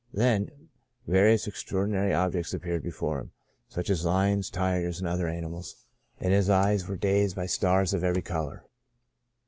Then, various extraordinary ob jects appeared before him, such as lions, tigers, and other animals, and his eyes were dazzled by stars of every color.